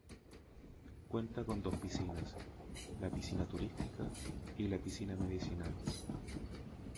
Cuenta con dos piscinas: la piscina turística y la piscina medicinal.